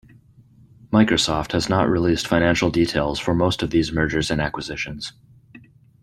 Microsoft has not released financial details for most of these mergers and acquisitions.